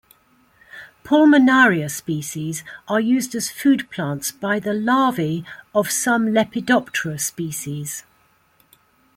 "Pulmonaria" species are used as food plants by the larvae of some Lepidoptera species.